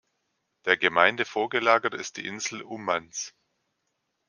Der Gemeinde vorgelagert ist die Insel Ummanz.